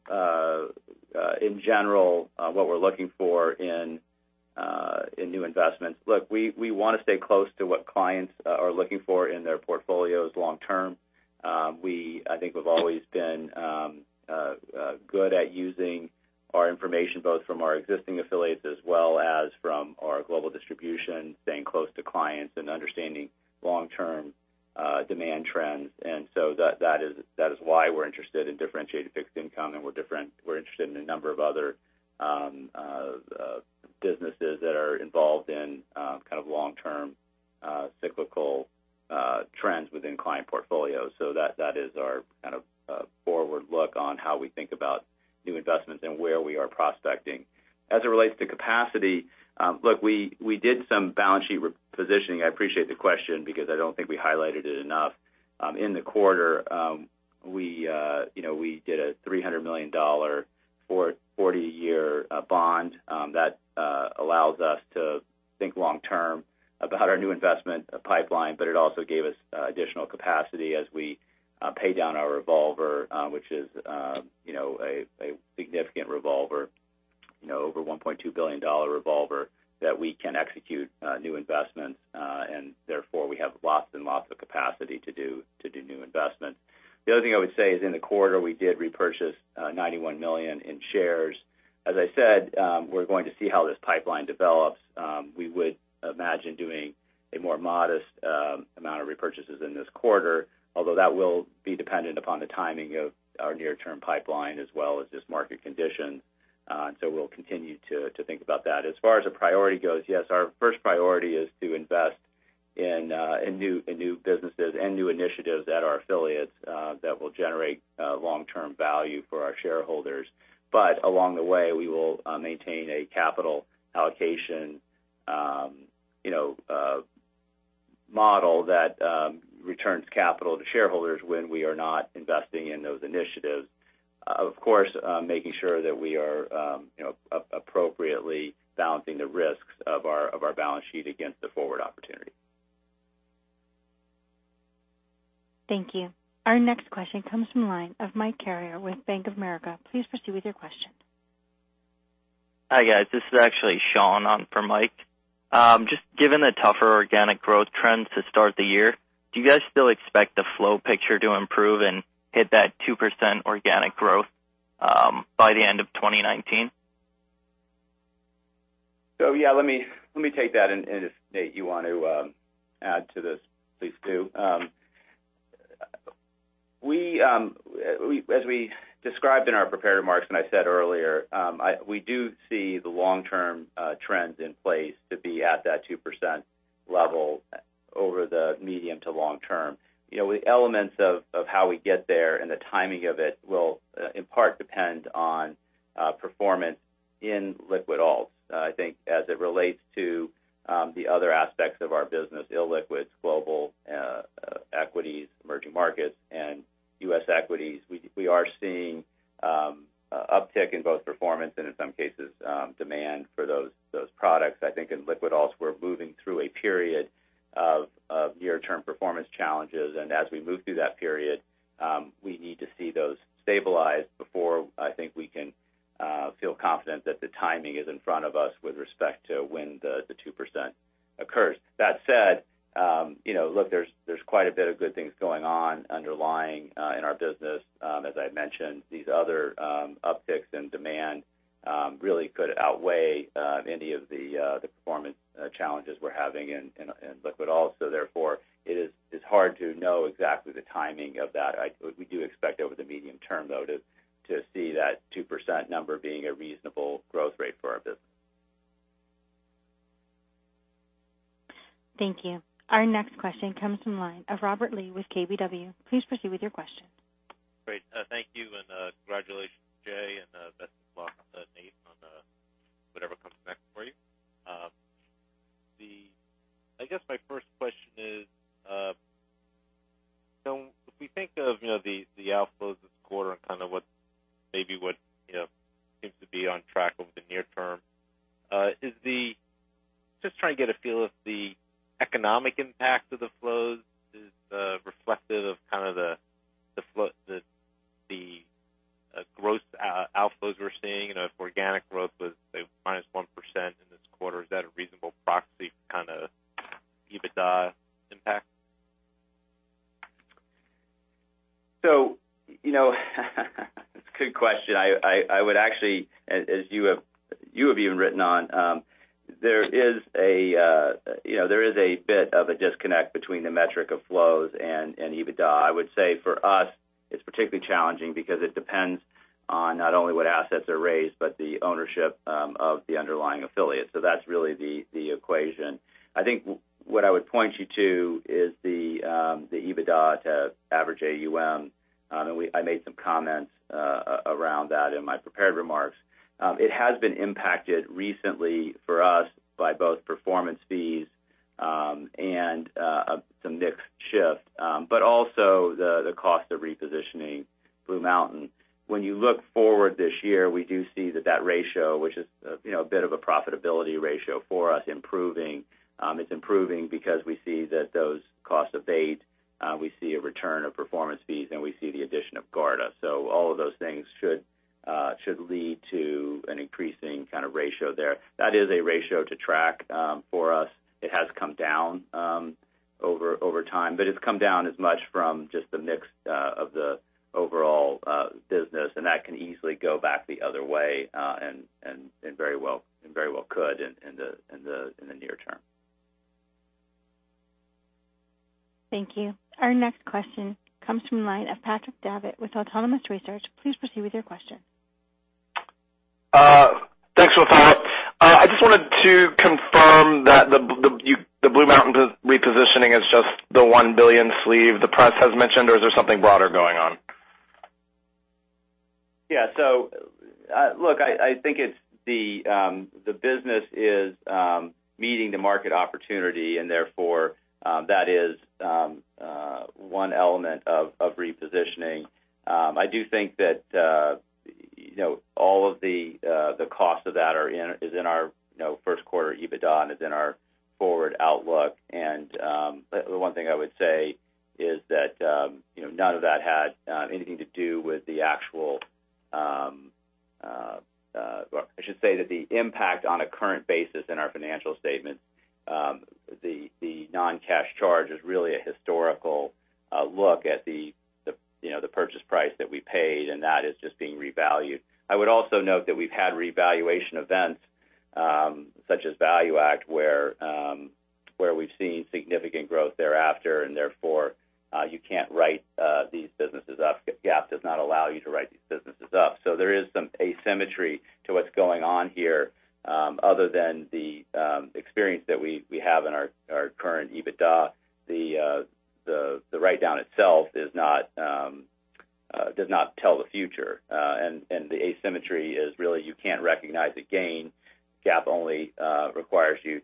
in general, what we are looking for in new investments, look, we want to stay close to what clients are looking for in their portfolios long term. I think we have always been good at using our information, both from our existing affiliates as well as from our global distribution, staying close to clients, and understanding long-term demand trends. That is why we are interested in differentiated fixed income, and we are interested in a number of other businesses that are involved in kind of long-term cyclical trends within client portfolios. That is our kind of forward look on how we think about new investments and where we are prospecting. As it relates to capacity, look, we did some balance sheet repositioning. I appreciate the question because I do not think we highlighted it enough. In the quarter, we did a $300 million for a 40-year bond. That allows us to think long term about our new investment pipeline, but it also gave us additional capacity as we pay down our revolver, which is a significant revolver, over a $1.2 billion revolver that we can execute new investments. Therefore, we have lots and lots of capacity to do new investments. The other thing I would say is in the quarter, we did repurchase $91 million in shares. As I said, we are going to see how this pipeline develops. We would imagine doing a more modest amount of repurchases in this quarter, although that will be dependent upon the timing of our near-term pipeline as well as just market conditions. We will continue to think about that. As far as a priority goes, yes, our first priority is to invest in new businesses and new initiatives at our affiliates that will generate long-term value for our shareholders. Along the way, we will maintain a capital allocation model that returns capital to shareholders when we are not investing in those initiatives. Of course, making sure that we are appropriately balancing the risks of our balance sheet against the forward opportunity. Thank you. Our next question comes from the line of Michael Carrier with Bank of America. Please proceed with your question. Hi, guys. This is actually Sean for Mike. Given the tougher organic growth trends to start the year, do you guys still expect the flow picture to improve and hit that 2% organic growth by the end of 2019? Yeah, let me take that, and if, Nate, you want to add to this, please do. As we described in our prepared remarks, I said earlier, we do see the long-term trends in place to be at that 2% level over the medium to long term. The elements of how we get there and the timing of it will in part depend on performance in liquid alts. I think as it relates to the other aspects of our business, illiquids, global equities, emerging markets, and U.S. equities, we are seeing uptick in both performance and in some cases, demand for those products. I think in liquid alts, we're moving through a period of near-term performance challenges. As we move through that period, we need to see those stabilized before I think we can feel confident that the timing is in front of us with respect to when the 2% occurs. That said, look, there's quite a bit of good things going on underlying in our business. As I mentioned, these other upticks in demand really could outweigh any of the performance challenges we're having in liquid alts. Therefore, it is hard to know exactly the timing of that. We do expect over the medium term, though, to see that 2% number being a reasonable growth rate for our business. Thank you. Our next question comes from the line of Robert Lee with KBW. Please proceed with your question. Great. Thank you. Congratulations, Jay, and best of luck, Nate, on whatever comes next for you. I guess my first question is, if we think of the outflows this quarter and kind of maybe what seems to be on track over the near term, just trying to get a feel if the economic impact of the flows is reflective of the gross outflows we're seeing. If organic growth was, say, -1% in this quarter, is that a reasonable proxy for kind of EBITDA impact? That's a good question. I would actually, as you have even written on, there is a bit of a disconnect between the metric of flows and EBITDA. I would say for us, it's particularly challenging because it depends on not only what assets are raised, but the ownership of the underlying affiliate. That's really the equation. I think what I would point you to is the EBITDA to average AUM. I made some comments around that in my prepared remarks. It has been impacted recently for us by both performance fees and some mix shift. Also the cost of repositioning BlueMountain. When you look forward this year, we do see that that ratio, which is a bit of a profitability ratio for us, improving. It's improving because we see that those costs abate. We see a return of performance fees. We see the addition of Garda. All of those things should lead to an increasing kind of ratio there. That is a ratio to track for us. It has come down over time, it's come down as much from just the mix of the overall business, that can easily go back the other way, very well could in the near term. Thank you. Our next question comes from the line of Patrick Davitt with Autonomous Research. Please proceed with your question. Thanks. I just wanted to confirm that the BlueMountain repositioning is just the $1 billion sleeve the press has mentioned, or is there something broader going on? Yeah. Look, I think it's the business is meeting the market opportunity, and therefore, that is one element of repositioning. I do think that all of the cost of that is in our first quarter EBITDA and is in our forward outlook. The one thing I would say is that none of that had anything to do with I should say that the impact on a current basis in our financial statements, the non-cash charge is really a historical look at the purchase price that we paid, and that is just being revalued. I would also note that we've had revaluation events, such as ValueAct Capital, where we've seen significant growth thereafter, and therefore, you can't write these businesses off. GAAP does not allow you to write these businesses off. There is some asymmetry to what's going on here. Other than the experience that we have in our current EBITDA, the write-down itself does not tell the future. The asymmetry is really you can't recognize a gain. GAAP only requires you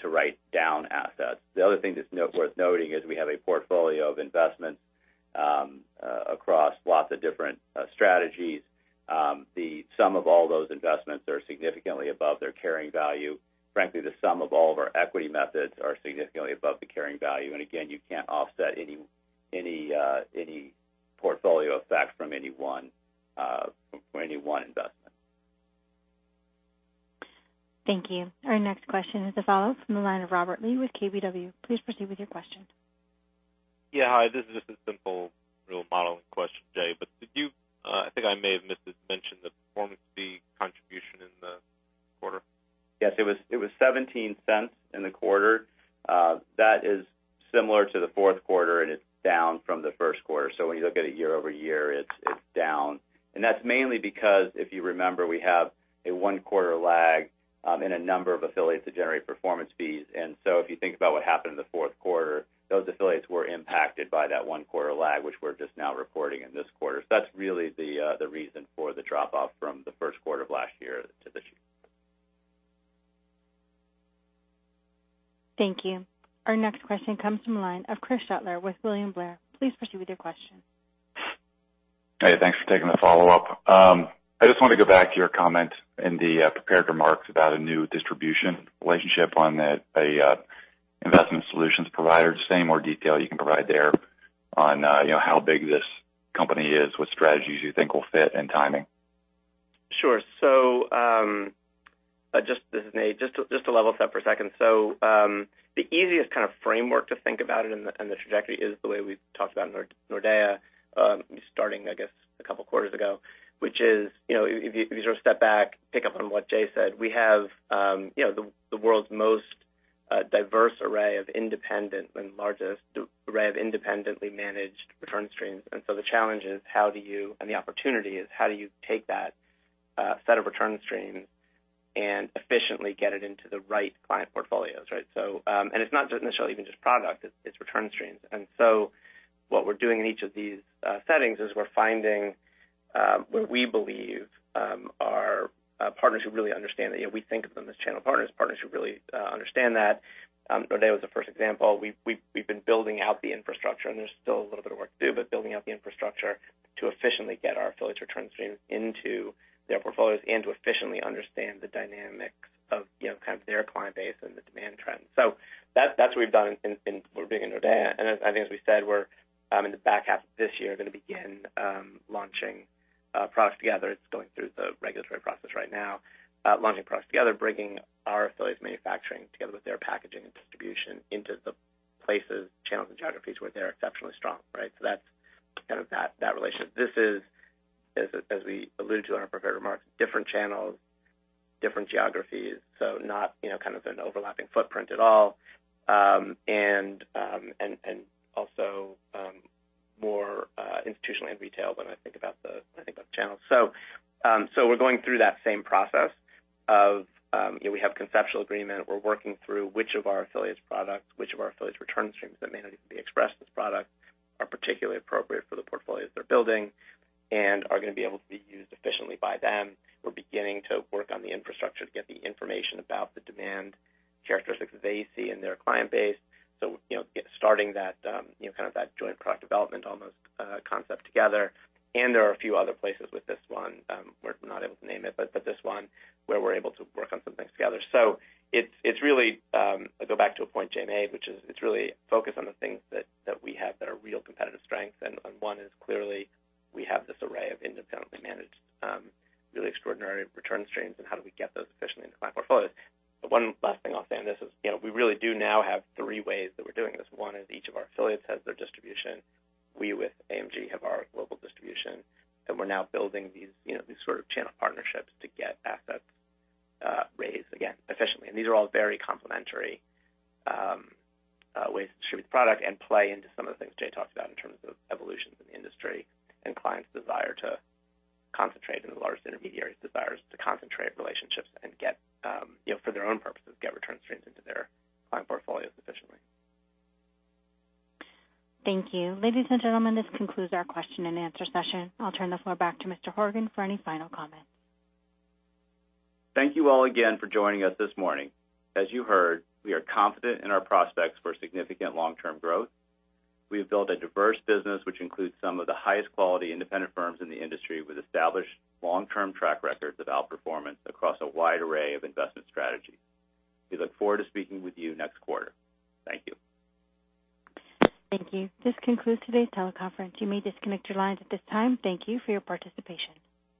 to write down assets. The other thing that's worth noting is we have a portfolio of investments across lots of different strategies. The sum of all those investments are significantly above their carrying value. Frankly, the sum of all of our equity methods are significantly above the carrying value. Again, you can't offset any portfolio effect from any one investment. Thank you. Our next question is as follows from the line of Robert Lee with KBW. Please proceed with your question. Yeah. Hi, this is just a simple real modeling question, Jay. Did you, I think I may have missed this mention, the performance fee contribution in the quarter? Yes, it was $0.17 in the quarter. That is similar to the fourth quarter, and it's down from the first quarter. When you look at it year-over-year, it's down. That's mainly because, if you remember, we have a one-quarter lag in a number of affiliates that generate performance fees. If you think about what happened in the fourth quarter, those affiliates were impacted by that one-quarter lag, which we're just now reporting in this quarter. That's really the reason for the drop-off from the first quarter of last year to this year. Thank you. Our next question comes from the line of Chris Shutler with William Blair. Please proceed with your question. Hey, thanks for taking the follow-up. I just want to go back to your comment in the prepared remarks about a new distribution relationship on a investment solutions provider. Just any more detail you can provide there on how big this company is, what strategies you think will fit, and timing? Sure. Just to level set for a second. The easiest kind of framework to think about it and the trajectory is the way we've talked about Nordea, starting, I guess, a couple quarters ago. Which is, if you sort of step back, pick up on what Jay said, we have the world's most diverse array of independent and largest array of independently managed return streams. The challenge is how do you take that set of return streams and efficiently get it into the right client portfolios, right? It's not necessarily even just product, it's return streams. What we're doing in each of these settings is we're finding what we believe are partners who really understand that. We think of them as channel partners who really understand that. Nordea was the first example. We've been building out the infrastructure, and there's still a little bit of work to do, but building out the infrastructure to efficiently get our affiliates' return streams into their portfolios and to efficiently understand the dynamics of their client base and the demand trends. That's what we've done in Nordea. I think as we said, we're in the back half of this year going to begin launching products together. It's going through the regulatory process right now. Launching products together, bringing our affiliates' manufacturing together with their packaging and distribution into the places, channels, and geographies where they're exceptionally strong, right? That's kind of that relationship. This is, as we alluded to in our prepared remarks, different channels, different geographies. Not an overlapping footprint at all. Also more institutional and retail when I think about the channels. We're going through that same process of we have conceptual agreement. We're working through which of our affiliates' products, which of our affiliates' return streams that may not even be expressed as products are particularly appropriate for the portfolios they're building and are going to be able to be used efficiently by them. We're beginning to work on the infrastructure to get the information about the demand characteristics that they see in their client base. Starting that joint product development almost concept together. There are a few other places with this one. We're not able to name it, but this one where we're able to work on some things together. It's really, I go back to a point Jay made, which is it's really focused on the things that we have that are real competitive strengths. One is clearly we have this array of independently managed really extraordinary return streams, and how do we get those efficiently into client portfolios. The one last thing I'll say on this is we really do now have three ways that we're doing this. One is each of our affiliates has their distribution. We with AMG have our global distribution, we're now building these sort of channel partnerships to get assets raised again efficiently. These are all very complementary ways to distribute product and play into some of the things Jay talked about in terms of evolutions in the industry and clients' desire to concentrate and the largest intermediaries' desires to concentrate relationships and get for their own purposes, get return streams into their client portfolios efficiently. Thank you. Ladies and gentlemen, this concludes our question and answer session. I'll turn the floor back to Mr. Horgen for any final comments. Thank you all again for joining us this morning. As you heard, we are confident in our prospects for significant long-term growth. We have built a diverse business, which includes some of the highest quality independent firms in the industry with established long-term track records of outperformance across a wide array of investment strategies. We look forward to speaking with you next quarter. Thank you. Thank you. This concludes today's teleconference. You may disconnect your lines at this time. Thank you for your participation.